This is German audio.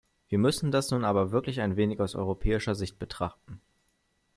Wir müssen das nun aber wirklich ein wenig aus europäischer Sicht betrachten.